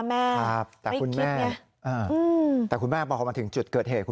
หมายคุณแม่เขามาถึงจุดเกิดเหตุ